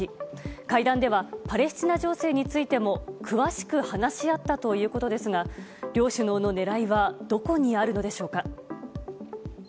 会談ではパレスチナ情勢についても詳しく話し合ったということですが両首脳の狙いはどこにあるのでしょうか？